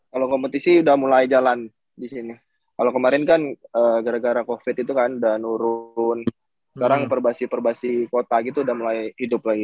kalau kompetisi udah mulai jalan disini kalau kemarin kan gara gara covid itu kan udah nurun sekarang perbasi perbasi kota gitu udah mulai hidup lagi